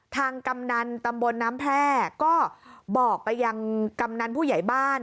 กำนันตำบลน้ำแพร่ก็บอกไปยังกำนันผู้ใหญ่บ้าน